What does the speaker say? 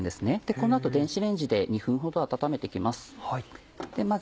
この後電子レンジで２分ほど温めて行きます。